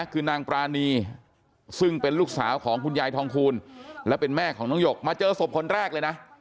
คือนางปรานีซึ่งเป็นลูกสาวของคุณยายทองคูณและเป็นแม่ของน้องหยกมาเจอศพคนแรกเลยนะ